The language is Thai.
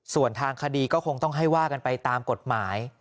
ส่วนทางคดีก็คงต้องให้ว่ากันไปตามกฎหมาย